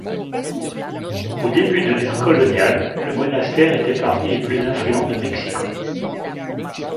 Au début de l'ère coloniale, le monastère était parmi les plus influents de Mexico.